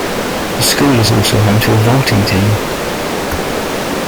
The school is also home to a vaulting team.